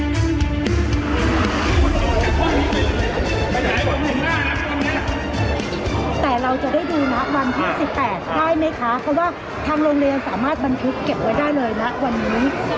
จะได้มีเพราะวนที่สิบแปดได้ไหมคะคือว่าทางโรงเรียนสามารถบรรคทุกเก็บไว้ได้เลยและวันนี้